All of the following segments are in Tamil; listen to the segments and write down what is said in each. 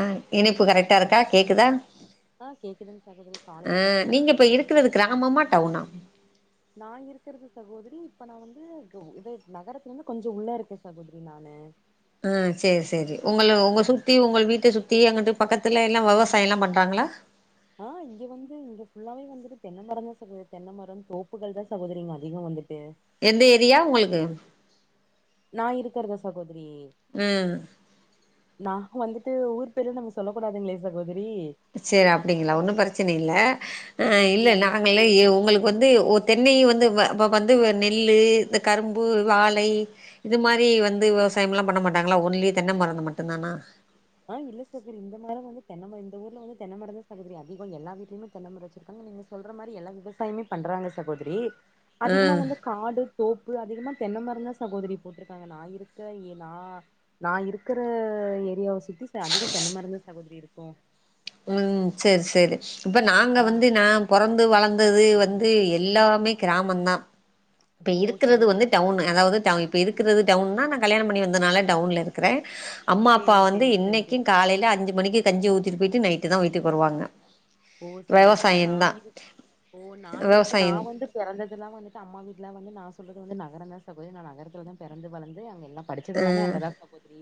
ஆஹ் இனிப்பு கரெக்டா இருக்கா கேக்குதா ஆஹ் கேக்குதுங்க சகோதரி காலை ஆ வணக்கம் நீங்க இப்ப சகோதரி இருக்கிறது கிராமமா டவுனா நா இருக் இருக்கிறது சகோதரி இப்ப நான் வந்து இத நகரத்துல இருந்து கொஞ்சம் உள்ள இருக்கேன் சகோதரி நானு ஆஹ் செரி செரி உங்க உங்க சுத்தி உங்க வீட்ட சுத்தி அங்கட்டு பக்கத்துல எல்லாம் வெவசாயல்லாம் பண்றாங்களா ஆஹ் இங்க வந்து இங்க ஃபுல்லாவே வந்துட்டு தென்ன மரம் தான் சகோதரி தென்ன மரம் தோப்புகள் தான் சகோதரி அதிகம் வந்து எந்த ஏரியா உங்களுக்கு நான் இருக்கிறதா சகோத உம் நாங்க வந்துட்டு ஊர் பேரு நம்ம சொல்லக்க கூடாதுங்களே சகோ சேர் அப்படிங்களா ஒன்னும் பெரச்சன இல்ல ஆஹ் இல்ல சேரிங்க நாங்களே சகோதரி உங்களுக்கு வந்துஓ தென்னையும் வந்து இப்ப வந்து நெல்லு இந்த கரும்பு வாழை இது மாரி வந்து விவசாயம் எல்லாம் பண்ண மாட்டாங்களா ஓன்லி தென்னமரம் மட்டும்தானா ஆஹ் இல்ல சகோரி இந்த மாரி வந்து தென்னை மரம் இந்த ஊர்ல வந்து தென்னமரம் தான் சகோதரி அதிகம் எல்லா வீட்டுலயுமே தென்ம மரம் வச்சிருக்காங்க நீங்க சொல்ற மாரி எல்லா விவசாயமே பண்றாங்க சகோத்ரி அதிகமா ம் வந்து காடு தோப் ப்ப அதிகமா தென்ன மரந்தா சகோதரி போட்டிருக்காங்க நான் இருக்க நா நான் இருக்குற ஏரியாவ சுத்தி அதிக தென்ன மரம் சகோதிரி இருக்கு ப உம் சேரி சேரி இப்ப நாங்க ஆ வந்து ந பொறந்து வளர்ந்தது வந்து எல்லாமே கிராமந்தான் இப்ப ஓ இருக்றது வந்து சகோதரி டவுன் அதாவது டவு இப்ப இருக்கிறது டவுன் நா நான் கல்யாண பண்ணி வந்தனால டவுன்ல இருக்கிறேன் அம்மா அப்பா சேரிங்க வந்து சேரிங்க சகோதரி இன்னைக்கும் காலையில அஞ்சு மணிக்கு கஞ்சி ஊத்திட்டு போயிட்டு நைட்டு தான் வீட்டுக்கு வருவாங்க ஓ செரிங்க சார் விவசாயம் நான் தான். இரு ஓ நான் இருக்கு விவசாயம். நான் வந்து பெறந்ததெல்லாம் வந்துட்டு அம்மா வீட்டு ல வந்து நான் சொல்ற வந்து நகரம் தான் சகோதரி நா நகரத்ல தான் பெறந்து வளர்ந்து அங்க எல்லாம் படிச்சது அ, எல்லாமே அங்கதான் சகோதரி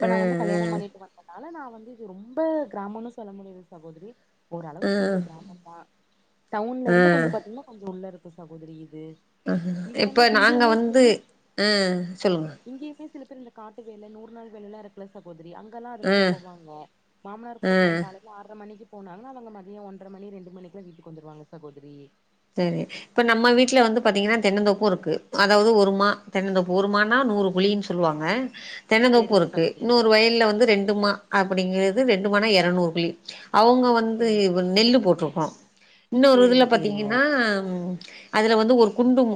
அ, நான் வந்து கல்யாணம் பண்ணிட்டு வந்தனால நான் வந்து இது ரொம்ப கிராமம்ன்னனு சொல்ல முடியாது சகோதரி அ, அ, ஓரளவுக்கு இது கிராமம் தான் டவுன்ல அ, இருந்து கொஞ்சம் பாத்தீங்கன்னா கொஞ்சம் உள்ள இரு சகோதரி இது அ இங்க வந்து இப்ப நாங்க இங்கயுமே சில வந்து அ சொல்லுங்க இங்கயுமே சில பேர் இந்த காட்டு வேல நூறு நாள் வேலலாம் இருக்கல சகோதரி அங்க எல்லாம் அது அ, மாரி போவாங்க மாமனார் கூட போவங்க அ. காலையில ஆர மணிக்கு போன அவங்க மதியம் ஒன்றர மணி ரெண்டு மணிக்குலாம் வீட்டுக்கு வந்துடுவாங்க சகோதரி செரி இப்ப நம்ம வீட்டுல வந்து பாத்தீங்கன்னா தென்னந்தோப்பும் இருக்கு அதாவது ஒருமா தென்னந்தோப்பு ஒருமனா நூறு குழின்னு சொல்லுவாங்க தென்னநோப்பு சேரிங்க இருக்கு சகோதரி இன்னொரு வயல்ல வந்து ரெண்டுமா அப்டிங்கறது ரெண்டுமானா இரநூறு புள்ளி அவங்க வந்து சேரி நெல்லு போட்டிருக்கோம் இன்னொரு இதுல சேரிங்க பி சேரிங்க பாத்தீங்கன்னா அதுல வந்து ஒரு குண்டும்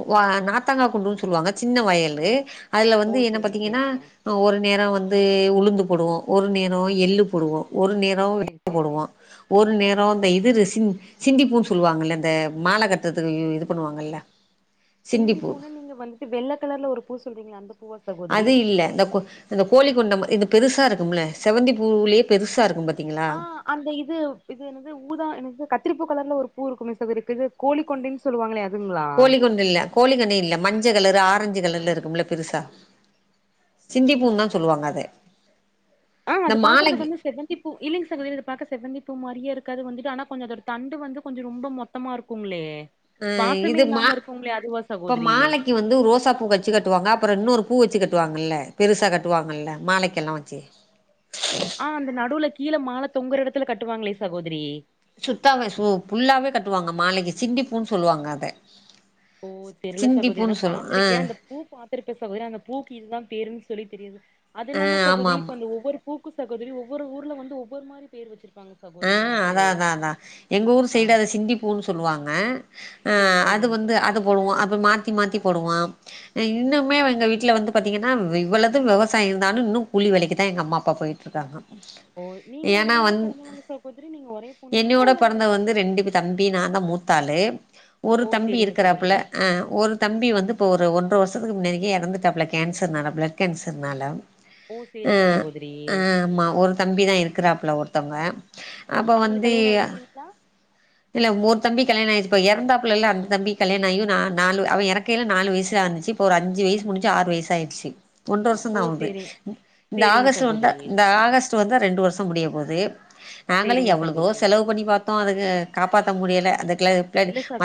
நாத்தாங்கா குண்டுன்னு சொல்லுவாங்க சின்ன வயல்லு அதுல ஓ வந்து என்ன சேரி பாத்தீங்கன்னா சேரிங்க ஒரு நேரம் வந்து அது உளுந்து போடுவோம் ஒரு நேரம் எள்ளு போடுவோம் ஒரு நிறம் வெ சேரி சேரி போடுவம் ஒரு நேரம் இந்த இரு சி சிந்திப்பன்னு சொல்லுவாங்க இந்த மால கட்டறத்துக்கு இது பண்ணுவாங்கல்ல சிண்டி சிண்டிப்பூ பூன்னு நீங்க வந்துட்டு வெள்ள கலர்ல ஒரு பூ சொல்றீங்களா அந்த பூவ சகோதரி அது இல்ல இந்த கோ இந்த கோழி கொண்டம் இது பெருசா இருக்கும்ல செவந்திபூலே பெருசா இருக்கும் பாரு ஆ அந்த இது இது ந்து ஊதா என்னது கத்திரிப்பபூ கலர்ல ஒரு பூ இருக்குமே செதரிக்கு கோழிகா கொண்டைன்னு சொல்லுவாங்களே அதுங்களா கோழி கொண்ட இல்ல கோழி கொண்ட இல்ல மஞ்ச கலர் ஆரஞ்சு கலர்ல இருக்கும்ல பெருசா மஞ்ச சிண்டிப்பூன்னு தா சொல்லுவாங்க அத ஆ இந்த அது மாலைக்கு பாக்குறதுக்கு வந்து செவந்தி பூ இலிங் சகோதரி பார்க செவந்தி பூ மாரியே இருக்கு இருது வந்துட்டு ஆனா கொஞ்சம் அதோட தண்டு வந்து கொஞ்சம் ரொம்ப மொத்தமா இருக்குங்களே ஆ வாசமே இது மா இல்லாம இருக்குங்களே அதுவா இப்ப சகோதரி மாலைக்கு வந்து ரோசா பூ வச்சு கட்டுவாங்க அப்பறம் இன்னொரு பூ வச்சு கட் கட்டுவாங்கல்ல பெருசா கட்டுவாங்கல்ல மாலைக்கு எல்லாம் வச்சு ஆ அந்த நடுவுல கீழ மால தொங்கற இடத்துல கட்டுவாங்களே சகோதரி சுத்தாவே சு புல்லாவே கட்டுவாங்க மாலைக்கு சிண்டிப்பூன்னு சொல்லுவாங்க அத ஓ தெருள சகோதரி சிண்டிப்பூன்னு சொல்லு ஆ பாத்திருக்கேன் அந்த பூ பாத்திருப்ப சகோதரிய அந்த பூக்கு இதுதான் பேரு சொல்லி தெரியுது அது ஆ இல்லாம ஆமா சகோதரி ஆமா இப்ப அந்த ஒவ்வொரு பூக்கு சகோதரி ஒவ்வொரு ஊர் வந்து ஒவ்வொரு மாதி பேர் வச்சிரு ஆஹ் அதான் அதான் அதான் எங்க ஊர் ஆ சைடு அத சிண்டிப்பூன்னு சொல்லுவாங்க சேரி ஆஹ் அது சேரிங்க வந்து அது சகோதரி போடுவான் அப்புறம் மாத்தி மாத்தி போடுவான் இன்னுமே எங்க வீட்டுல வந்து பாத்தீங்கன்னா இவ்வளதது விவசாயம் இருந்தானும் இன்னும் கூலி வேலைக்குதான் எங்க அம்மா அப்பா போய்டு இருக்காங்க ஓ நீங்க உங்களோட பிறந்தவுங்க தோ என்னையோட பிறந்த வந்து ரெண்டு தம்பி நான் தான் மூத்தாலு ஒரு ஓ தம்பி சேரிங்க இருக்கிறாப்புல சகோதரி ஆஹ் ஒரு தம்பி வந்து இப்ப ஒரு ஒன்று ஒரு வருஷத்துக்கு முன்னக்கு இறந்துட்டாப்பல கேன்சர்னால பிளட் கேன்சர்னால ஓ சேரிங்க அஹ் சகோதரி ஆஹ் ஆமா ஒரு தம்பிதான் இருக்கிறாப்ல ஒரு த்தொங்க அப்போ அவங்களுக்கு வந்து கல்யாண ஆயிருச்சுங்களா இல்ல ஒரு தம்பி கல்யாண ஆயிச்சு இப்ப இறந்தாப்ளல்ல அந்தம்பி கல்யாண ஆயும் நாலு அவன் இறக்கையில நாலு வயசு ஆன்சு இருந்துச்சு இப்போ ஒரு அஞ்சுவயசு முடிஞ்சு ஆறு வயசு ஆயிச்சு ஒண்றை வருஷம் ஓ தான் ஆகுது சேரிங் இந்த சேரிங்க ஆகஸ்ட் வந்தால் சகோதரி இந்த ஆகஸ்ட்வந்தால் ரெண்டு வருஷம் முடிய போகுது நாங்களும் சேரிங்க எவ்ளதோ சகோதரி செலவு பண்ணி பாத்தோம் அதுக்கு முடியல அதுக்கு இல்ல ச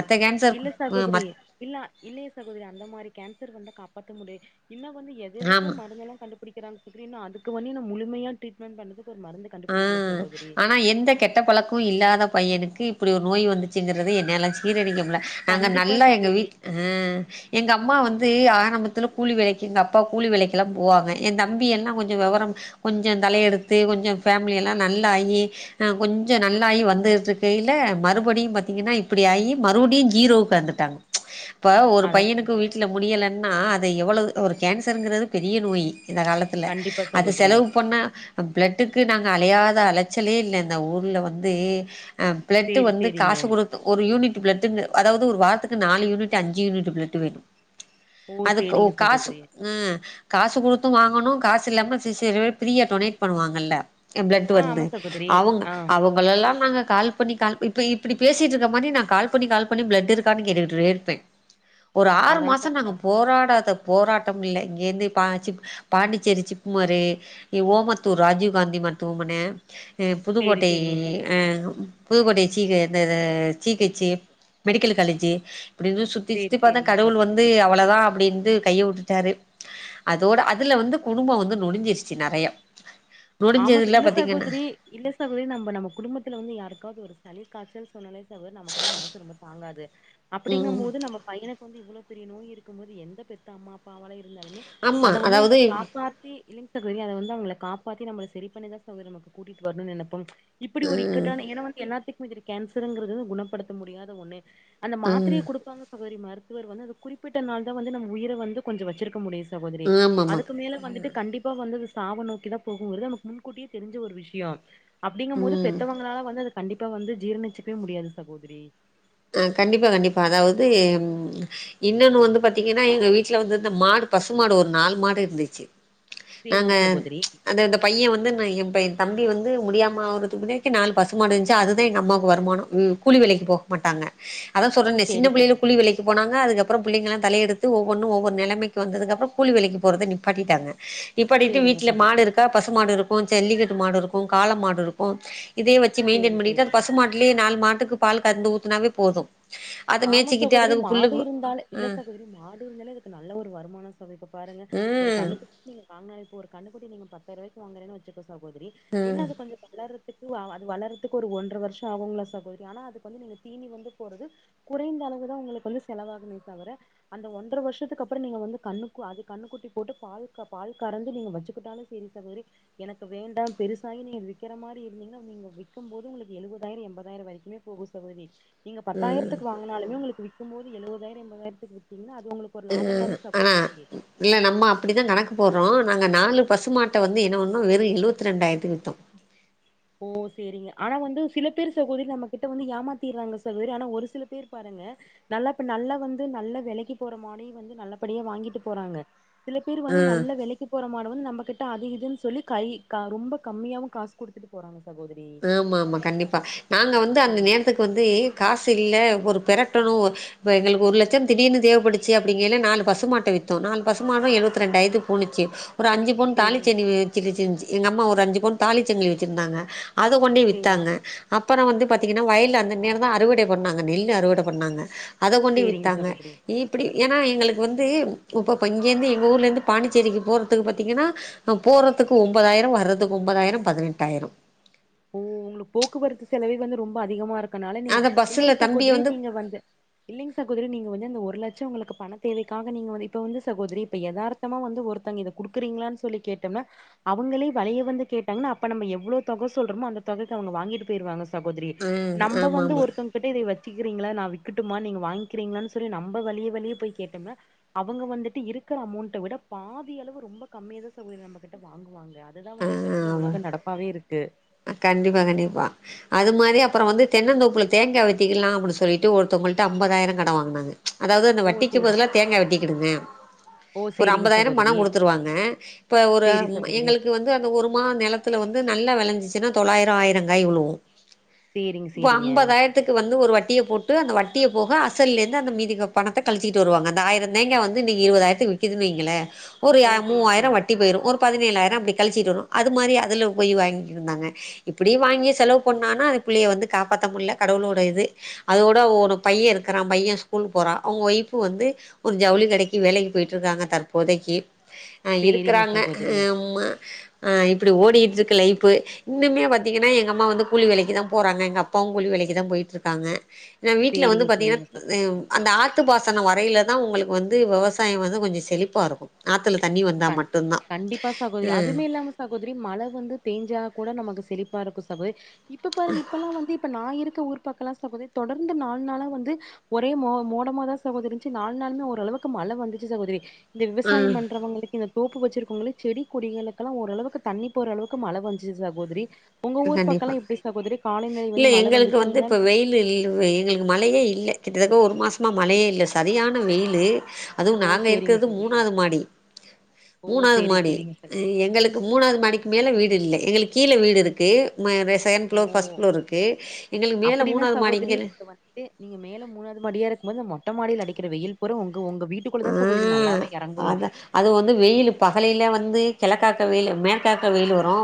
இல்ல சகோதரி மத் இல்ல இல்லையே சகோதரி அந்த மாரி கேன்சர் வந்து காப்பாத்த [unintelligible] இன்னும் வந்து எத எதுக்கோ ஆமா மருந்தெல்லாம் கண்டுபுடிக்கிறாங்க மெயினாஅதுக்குவன்னினா முழுமையா ட்ரிட்மெண்ட் பண்ணுங்க ஆ ஆனா எந்த கெட்ட பழக்கமு இல்லாத பையனுக்கு இப்டி ஒரு நோய் வந்துச்சுங்கறத என்னால ஜீரணிக்க முள்ள நாங்க கண்டிப்பா நல்லா எங்க சகோதரி வீட்டு ஆ எங்க அப் அம்மா வந்து ஆரம்பத்துல கூலி வேலக்கு எங்க அப்பா கூலி வேலக்கெலாம் போவாங்க என் தம்பி என்ன கொஞ்சம் விவரம் கொஞ்சம் தலைய எடுத்து கொஞ்சம் ஃபேமிலிய எல்லாம் நல்லாயி கொஞ்சம் நல்லாயி வந்துட்டு இருக்கையில மறுபடியும் பாத்தீங்கன்னா இப்படி ஆயி மறுபடியும் ஜீரோவுக்கு வந்துட்டாங்க ச்சி இப்ப ஒரு அதா பையனுக்கு சகோதரி வீட்டுல முடியலன்னா எவ்வளவு ஒரு கேன்சர்ங்கிறது பெரிய நோயி இந்த காலத்தில கண்டிப்பா அது சகோதரி செலவு பண்ணா பிளட்டு அழையாத அலைச்சலே இல்ல இந்த ஊர்ல வந்து பிளட்டு் சேரி வந்து சேரிங்க காசுகுடுத்து ஒரு யூனிட் பிளட்டு்னு அதாவது ஒரு வாரத்துக்கு நாலு யூனிட் அஞ்சு யூனிட் பிளட்டு வேணும் ஓ அதுக்கு சேரிங்க காசு சகோதரி உ காசு குடுத்தும் வாங்க பணோ காசு இல்லாம சில பேரு ஃப்ரியா டொனேட் பண்ணுவாங்கல்ல என்பிளட்டு ஆ வந்து ஆமா சகோதரி அவங்க ஆ அவங்களல்லாம் நாங்க கால் பண்ணி கால் இப்ப இப்டி பேசிட்டு இருக்க மாரி நான் கால் பண்ணி கால் பண்ணி பிளட் இருக்கான்னு கேட்டு இருப்பேன் ஒரு ஆறு அதா மாசம் நாங்க சகோதரி போராடாத போராட் [unintelligible] பாண்டிச்சேரி சிப்மாரு இ ஓமத்தூர் ராஜீவ் காந்தி மருத்துவமன சேரி புதுக்கோட்டை சேரிங்க சகோதரி ஹன் புதுக்கோட்டை சி பி என்னது சி கச்சி மெடிக்கல் காலேஜு அப்படினு சுத்தி சுத்தி சேரி பாத்தன் சேரிங்க கடவுள் சகோதரி வந்து அவ்ளோதான் அப்பின்னு கைய வுட்டுட்டாரு அதோட அதுல வந்து குடும்பம் வந்து நொடிஞ்சிருச்சு நெறைய ஆமா நொடிஞ்சதுல இல்ல பாத்தீங்கன்னா சகோதிரி இல்ல சகோதிரி நம்ம நம்ம குடும்பத்துல வந்து யாருக்காவது ஒரு சளி காச்சல் சொன்னாலே சகோ நமக்கு வந்து மனசு ரொம்ப தாங்காது அப்படிங்கும் ம் போது நம்ம பையனுக்கு வந்து இவ்வளவு பெரிய நோய் இருக்கும்போது எந்த பெத்த அம்மா அப்பவாளயும் இருந்தாலுமே ஆமா அத வந்து அதாவது அவங்க காப்பாத்தி இல்லைங்க சகோதிரி அத வந்து காப் பாத்தி நம்ம சரி பண்ணிதான் சகோதரி நம்ம கூட்டிட்டு வரணும் நினப்போம் இப்படி ஒரு ம் இக்கட்டான எனா வந்து எல்லாத்துக் கேன்சர்ங்கிறது குணப்படுத்த முடியாத ஒண்ணு அந்த ம் மாத்திரையை குடுப்பாங்க சகோதரி ம மருத்துவர் வந்து அது குறிப்பிட்ட நாள் தான் வந்து நம் உயிரை வந்து கொஞ்சம் வச்சிருக்க முடியும் சி சகோதரி ஆமாமா அதுக்கு மேல வந்துட்டு கண்டிப்பா வந்து வி சாவு நோக்கிதா போகும் வருது நமக்கு முன்கூட்டியே தெரிஞ்ச ஒரு விஷயம் அப்படிங்கும் போது ம் பெத்தவங்களால வந்து அதுக்கு கண்டிப்பா வந்து ஜீரணிச்சுக்கவே முடியாது சகோதரி அஹ் கண்டிப்பா கண்டிப்பா அதாவது இன்னொன்னு வந்து பாத்தீங்கன்னா எங்க வீட்டுல வந்துந்த மாடு பசு மாடு ஒரு நாலு மாடு இருந்துச்சு நாங்க சேரிங்க சகோதரி அந்த அந்த பையன் வந்து ந என் பை தம்பி வந்து முடியாம ஆறதுக்குக்கு முன்னே நாலு பசுமாடு இருந்துச்சு அதுதான் எங்க அம்மாவுக்கு வருமானம் கூலி வேலைக்கு போ போட்டாங்க அதான் ஓ சொல்றனே சின்ன சேரி புள்ளையில கூலி சகோதரி வேலைக்கு போனங்க அதுக்கப்புற பிள்ளைகளாம் தல எடுத்து ஒவ்வொன்னும் ஒவ்வொரு நிலைமைக்கு வந்ததுக்கு அப்புறம் கூலி விலைக்கு போறதை நிப்பாட்டிட்டாங்க நிப்பாடிட்டு சேரிங்க வீட்டுல மாடு சகோதரி இருக்கா பசு மாடு இருக்கும் ஜல்லிக்கட்டு மாடு இருக்கும் கால மாடு இருக்கும் இதே வச்சு மெய்டென் சேரி பண்ணிட்டு சேரிங்க பசுமாட்டுலேயே நாலு மாட் எதுக்கு பால் கறந்து உ உதுனாவே போதும் ஆமா சகோதரி அதுக்கு மாடு புல்லுக்கு இருந்தாலே இல்ல ஆ சகோதரி மாடு இருந்தாலே இதுக்கு நல்ல ஒரு வருமானம் சகோதரி பாருங்க ம் ஒரு ம் கண்ணுக்கு நீங்க கா கண்ணுகுட்டி நீங்கபத்தாயிரம் ரூபாய்க்கு வாங்கற சகோதரி என்ன அது கொஞ்சம் வளறத்துக்கு அது வளரத்துக்கு ஒரு ஒன்றரை வருஷம் ஆகுங்களா சகோதரி ஆனா அதுக்கு வந்து நீங்க தீனி வந்து போறது குறைந்த அளவுதான் உங்களுக்கு வந்து செலவாகுமே தவிர அந்த ஒன்றரை வருஷத்துக்கு அப்புறம் நீங்க வந்து கண்ணுக்கு அது கண்ணுக்குட்டி போட்டு பால் பால் கறந்து நீங்க வச்சுக்கிட்டாலும் சேரி சகோதரி எனக்கு வேண்டாம் பெருசாகி நீங்க விக்கிற மாரி இருந்தீங்கன்னா நீங்க விக்கும் போது உங்களுக்கு எழுவதாயிரம் எண்பதாயிரம் வரைக்குமே போகும் சகோதரி நீங்க ம் பத்தாயிரத்து வாங்குனாலுமே உங்களுக்கு விக்கும் போது எழுபதாயிரம் எண்பதாயிரத்துக்கு வித்திங்கனா அது உங்களுக்கு ஒரு லாபம் உம் தானே ஆனா சகோதரி இல்ல நம்ம அப்படித்தான் கணக்கு போடுறோம் நாங்க நாலு பசுமாட்டை வந்து என்ன ஒன்னு வெறும் எழுவத்தி ரெண்டாயிரத்து வித்தோம் ஓ சேரிங்க ஆனா வந்து சில பேர் சகோதரி நம்மகிட்ட வந்து ஏமாத்தடுறாங்க சகோதரி ஆனா ஒரு சில பேர் பாருங்க நல்லா நல்லா வந்து நல்ல விலைக்கு போறமாட வந்து நல்லபடியா வாங்கிட்டு போறாங்க சில பேர் வந்து ம் நல்ல விலைக்கு போற மாட வந்து நம்ம கிட்ட அதுஇதுன்னு சொல்லி கை ரொம்ப கம்மியாகவும் காசு கொடுத்து வித்துட்டு போறாங்க ஆமா ஆமா கண்டிப்பா நாங்க வந்து அந்த ம் நேரத்துக்கு வந்து காசில ஒரு பெரட்டணு இப்ப எங்களுக்கு ஒரு லட்சம் திடீர்னு தேவபட்டுச்சி அப்படிங்கறப்ப நாலு பசுமாட்ட வித்தோம் நாலு பசுமாடும் எழுத்தி ரெண்டு ஆய்ரத்துக்கு போணிச்சி ஒரு அஞ்சு பவுன் தாலி சேரிங்க செயிண் வச்சு இருந்துசி எங்க அம்மா ஒரு அஞ்சு பவுன் தாலிச்சங்கிலி வச்சிருந்தாங்க அத கொண்டி சேரிங்க வித்தாங்க அப்புறம் வந்து பார்த்தீங்னா வயல அந்த நேரம்தா அறுவடை பண்ணாங்க நெல்லு அறுவடை பண்ணாங்க அத கொண்டே சேரிங்க வித்தாங்க சகோதரி இப்டி ஏன்னா எங்களுக்கு வந்து இப்ப இங்கேந்து எங்க ஊர்ல இருந்து பாண்டிச்சேரிக்கு போறதுக்கு பார்த்தீங்னா போறதுக்கு ஒன்பதாயிரம் வர்றதுக்கு ஒன்பதாயிரம் பதினெட்டாயிரம் ஓ உங்ளுக்கு போக்குவரத்து செலவை வந்து ரொம்ப அதிகமா இருக்கு இருக்குனால நீங்க அத பஸ்ஸுல இல்லிங் தம்பிய சகோதிரி நீங்க வந்து இல்லிங் சகோதிரி நீங்க வந்து அந்த ஒரு லட்சம் உங்களுக்கு பண தேவைக்காக நீங்க வ இப்ப வந்து சகோதிரி இப்ப எதார்த்தமா வந்து ஒருத்தங்க இத குடுக்குறீங்களா சொல்லி கேட்டோம்னா அவங்களே வலைய வந்து கேட்டாங்க அப்ப நம்ம எவ்ள தொகை சொல்றமோ அந்த தொகைக்கு அவங்க வாங்கிட்டு போயிருவாங்க சகோதிரி ம் நம்ப ஆமா வந்து ஆமா ஒருத்தவங்க கிட்ட இத வச் விக்கிரிங்லா நா விக்கட்டுமா நீங்க வாங்கிக்கிறீங்களனு சொல் நம்ப வழிய வழியே போய் கேட்டோம்னா அவங்க வந்துட்டு இருக்கிற அமௌண்ட விட பாதி அளவு ரொம்ப கம்மிய தா சகோதிரி நம்ம கிட்ட வாங்குவங்க அதுதா ஆ வந்து இப்ப இருக்கிற ஆமா உலக நடப்பாவே இருக்கு கண்டிப்பா கண்டிப்பா அது மாரி அப்பற வந்து தென்னதோப்ல தேங்க வெட்டிக்கலாம் அப்புடின்னு சொல்லிட்டு ஒருத்தவங்கிட்ட ஐம்பதாயிரம் கட வாங்கினாங்க அதாவது அந்த ஓ வட்டிக்கு சேரி பதிலா தேங்கா வெட்டிக்கிடுங்க ஓ ஒரு சேரிங்க ஐம்பதாயிரம் சகோதரி பணம் கொடுத்துருவாங்க இப்ப ஒரு சேரி சகோதரி எங்களுக்கு வந்து அந்த ஒரு மா நிலத்துல வந்து நல்லா விளஞ் தினம் தொள்ளாயிரம் ஆயிரம்காய்வுலும் சேரிங்க இப்போ சேரிங்க ஐம்பதாயிரத்துக்கு வந்து ஒரு வட் வட்டியை போட்டு அந்த வட்டியை போக அசல் இருந்து அந்த மீதி பணத்த கழிச்சிகிட்டு வருவாங்க அந்த ஆயிர தேங்கா வந்து இன்னைகி இருபதாயிரத்துக்கு விக்கிதீனுவைகளே ஒரு யா ஓ சேரி மூவாயிர சேரி வட்டி போயிரு ஒரு. பதினேழாயிரம் அப்படி கழிச்சிட்டு வரு அது மாரி அதில போய் வாங்கிருந்தாங்க. இப்படி வாங்கி செலவு பண்ணான்னா பிள்ளய வந்து காப்பாத்த முடில்ல கடவுளோட இது. அதோட ஒரு பைய இருக்கிறா பைய ஸ்கூல் போறா அவங்க ஒய்பு வந்து ஒரு ஜவுளி கடக்கி வேலைக்கி போயிட்டு இருக்காங்க தற்போதைக்கி. அஹ சேரிங்க இருக்கறாங்க சகோதரி ஆஹமா. ஆ இப்டி ஓடிகிட்டு இருக்கு லைஃப்பு. இன்னுமே பாத்தீங்னா எங்க அம்மா வந்து கூலி வேலக்கிதா போறாங்க எங்க அப்பாவு கூலி வேலக்கிதா போயிட்டு இருக்காங்க. எ வீட்டுல வந்து சேரிங்க பாத்தீங்னா சேரிங்க சகோதரி அந்த ஆட். த்து பாசன வரையிலதா உங்களுக்கு வந்து விவசாய வந்து கொஞ்சோ செழிப்பா இருக்கு அத். கா கண்டிப்பா சகோதிரி ம் அதுவுமே இல்லாம சகோதிரி மழ வந்து தேஞ்சா கூட நமக்கு. செளிப்பாருக்கு சகோதரி. இப்ப பாருங்க இப்பெல்லா வந்து இப்ப நா இருக். கு ஊர் பக்கலா சகோதரி தொடர்ந்து நாலு நாளா வந்து ஒரே ம மோடமாதா சகோதிரி இருந்துச்சி நாலு நாளுமே ஓரளவுக்கு மழ வந்துச்சி சகோதிரி. இந்த விவசாய ம் பண்றவங்களுக். இந்த தோப்பு வச்சிருக்கோங்களே செடி கொடிகளுக்கெல்லா ஓரளவுக்கு தண்ணி போற அளவுக்கு மழ வஞ்ஞிசி சகோதிரி. கண்டிப்பா. இல்ல வந்து மழ எங்களுக்கு வந்து வந்துச்சுங்களா இப்ப வெயில் இல் எங்களுக்கு மழையே இல்ல. கிட்டத்தட்ட ஒரு மாசமா மழையே இல்ல சரியான வெயிலூ. அதுவு ஓ நாங்க சேரிங்க இருக்கிறது சகோதரி மூணாவது மாடி. ஓ மூணாவது சேரி மாடி. சேரிங்க சகோதரி எங்களுக்கு மூணாவது மாடிக்கு மேல வீடு இல்ல எங்களுக்கு. கீல வீடு இருக். க்கு. ஓ எங்களுக்கு மேல அப்படின்னா மூணாவது மாடி சகோதரி இங்க வந்துட்டு நீங்க மேல மூணாவது மடியா இருக்கும் போது நம்மோ. மொட்டமாடியில்ல அடிக்கிற வெயில் பூரா உங். ஆஹ அத அது வந்து வெயில்லூ பகலியிலே வந்து. கிழக்காக்க வெயிலு மேற்காக்க வெயிலு வரு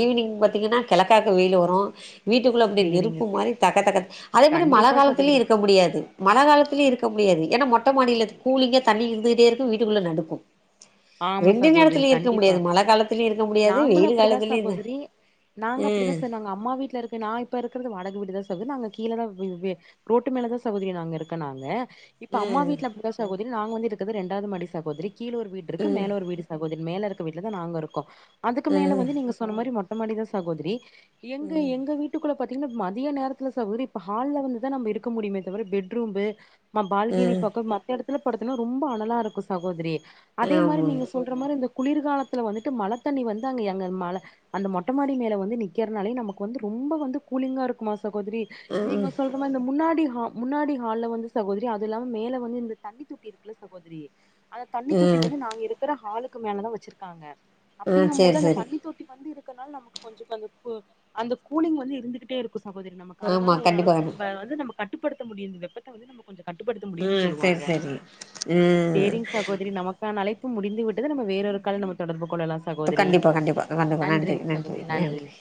ஈவ்னிங் பாத்தீங்கன்னா கிழக்காக்க வெயிலு வரு. வீட்டுக்குள்ளே அப்படியே சேரிங்க நெருப்பு மாரி தகத்தக. அதே மாரி மழ கண்டிப்பா காலத்திலயு சகோதரி இருக்க முடியாது மழ காலத்திலயும் இருக்க முடியாது ஏன்னா மொட். மொட்ட மாடியிலது. கூலிங்கே தண்ணி இருந்துகிட்டே இருக்கு வீட்டுக்குள்ள நடுக்கு. ஆமா சகோதரி கண்டிப்பா. காலத்துலயும் இருக்க முடியாது நாங்கலோ வெயில் அப்படிதா காலத்துலயும் சகோதரி நாங்க அப்படிதா ம் செரிங் அம்மா வீட்ல இருக்க நா இப்ப இருக்குறது வாடக வீடு. தா சகோதரி நாங்க கீழதா ரோட்டு மேலதா சகோதரி நாங்க இருக்கநான்னு. இப்ப அம்மா ம் வீட்ல அப்படிதா சாகோ. நாங்க வந்து இருக்கிறது ரெய்ண்டாவது மாடி சகோதரி கீழ ஒரு. இருக்கு மேல ஒரு வீடு சகோதிரி. மேல இருக்க வீட்லதா நாங்க இருக்கோ. அதுக்கு மேல ம் வந்து நீங்க சொன்ன மாரி மொட். மொட்ட மாடிதா சகோதரி. எங்க எங்க வீட்டுக்குள்ள. பாத்தீங்கன்னா மதிய நேரத்துல சகோதரி இப்ப ஹால்ல இருந்து தான் நம்ம இருக்க முடியுமே தவிர பெட் ரூம்பு மா பால்கினி ம் பக்கம் மத்த இடத் தில்ல படுத்தன்னா ரொம்ப அனலா இருக்கும் சகோதிரி அதே மாரி ஆமா நீங்க சொல்ற மாரி அந்த குளிர்காலத்துல வந்துட்டு மழ தண்ணி வந்து அங்கங்க ம அந்த மொட்டமாடி மேல வந்து நிக்கிறதுனாலே நமக்கு வந்து ரொம்ப வந்து கூலிங்கா இருக்குமா மாதரி ம் நீங்க சொல்ற மாதரி இந்த முன்னாடி முன்னாடி ஹால்ல வந்து சகோதரி அது இல்லாம மேல வந்து இந்த தண்ணி தொட்டி இருக்குல சகோதரி அத தொட்டி ம் வந்து நாங்க இருக்கிற ஹாலுக்கு க்கு மேல தான் வச்சிருக்காங்க ஆ அப்படிங்கும் போது சேரி அந்த சேரி தண்ணி தொட்டி வந்து இரு இதனால நமக்கு கொஞ்ச அந்த கூலிங் வந்து இருந்துகிட்டே இருக்கும் இக் சகோதரி நமக்கு அதனால ஆமா கண்டிப்பா ஓரளவுக்கு கண்டி நம்ம வந்து நமக்கு கட்டுப்படுத்த முடியும் வெப்பத்தை வந்து நமக்கு உம் சரி சரி உம் நம் அழைப்பு முடிந்துவிட்டது நம்ம வேறொரு கால நம்ம தொடர்போம் கண்டிப்பா கண்டிப்பா கண்டிப்பா நன்றி நன்றி நன்றி